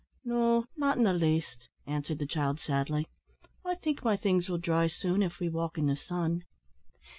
"No, not in the least," answered the child, sadly. "I think my things will dry soon, if we walk in the sun."